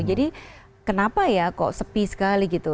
jadi kenapa ya kok sepi sekali gitu